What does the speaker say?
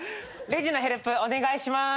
レジのヘルプお願いします。